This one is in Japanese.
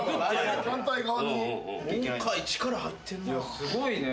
すごいね。